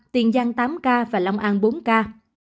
tiền giang tám ca lòng an bốn ca